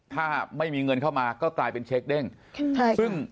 ถ้าไม่มีเงินเข้ามาก็กลายเป็นเช็คเด้งใช่ซึ่ง